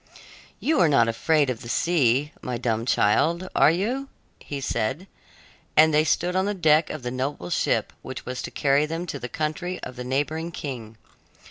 "You are not afraid of the sea, my dumb child, are you?" he said, as they stood on the deck of the noble ship which was to carry them to the country of the neighboring king.